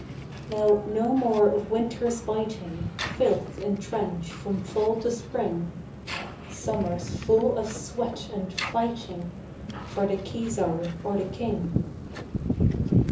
Now no more of winters biting, Filth in trench from fall to spring, Summers full of sweat and fighting For the Kesar or the King.